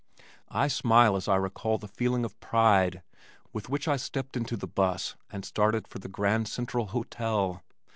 I smile as I recall the feeling of pride with which I stepped into the 'bus and started for the Grand Central Hotel.